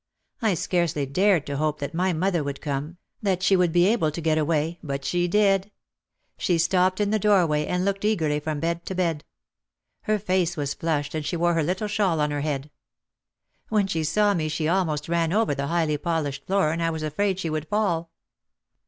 I scarcely dared to hope that my mother would come, that she would be able to get away, but she did. She stopped in the doorway and looked eagerly from bed to bed. Her face was flushed and she wore her little shawl on her head. When she saw me she almost ran over the highly polished floor and I was afraid she would fall.